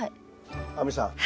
亜美さん